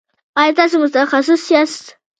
ایا تاسو متخصص یاست؟